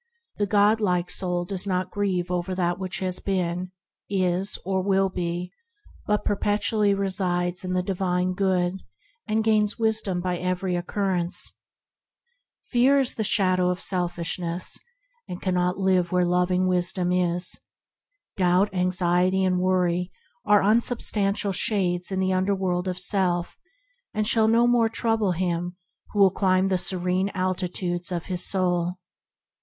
The God like soul grieveth not over what has been, is, or will be, but perpetually findeth the Divine Good, and gaineth wisdom by every occurrence. THE UNFAILING WISDOM 113 Fear is the shadow of selfishness, and cannot live where loving Wisdom is. Doubt, anxiety, and worry are unsubstantial shades in the underworld of self; and shall no more trouble him who will climb the serene altitudes of his soul.